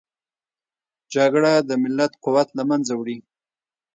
جګړه د ملت قوت له منځه وړي